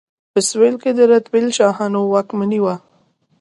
په سویل کې د رتبیل شاهانو واکمني وه.